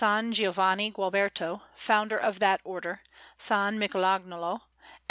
Giovanni Gualberto, founder of that Order, S. Michelagnolo, and S.